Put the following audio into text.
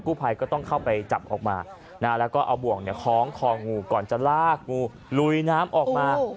ภัยก็ต้องเข้าไปจับออกมาแล้วก็เอาบ่วงคล้องคองูก่อนจะลากงูลุยน้ำออกมา